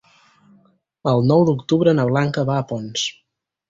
El nou d'octubre na Blanca va a Ponts.